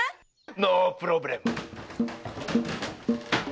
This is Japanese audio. ノープロブレム。